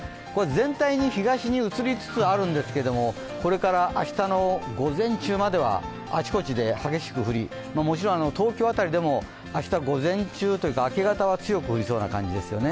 全体に東に移りつつあるんですけれども、これから明日の午前中まではあちこちで激しく降り、もちろん東京辺りでも明日明け方は強く降りそうです。